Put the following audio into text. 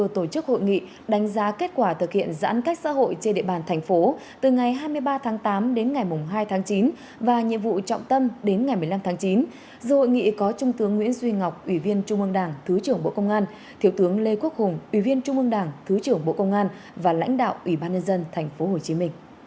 thủ tướng nguyễn duy ngọc ủy viên trung mương đảng thứ trưởng bộ công an thiệu tướng lê quốc hùng ủy viên trung mương đảng thứ trưởng bộ công an và lãnh đạo ủy ban nhân dân tp hcm